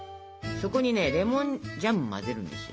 そこにねレモンジャムを混ぜるんですよ。